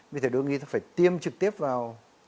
vì thế đương nhiên nó phải tiêm trực tiếp vào